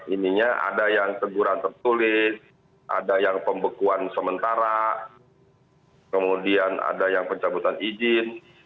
ininya ada yang teguran tertulis ada yang pembekuan sementara kemudian ada yang pencabutan izin